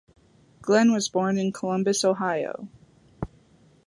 Glenn was born in Columbus, Ohio.